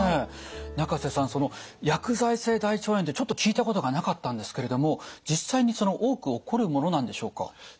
仲瀬さんその薬剤性大腸炎ってちょっと聞いたことがなかったんですけれども実際に多く起こるものなんでしょうか？